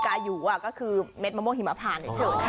กาหยูก็คือเม็ดมะโม่หิมพาน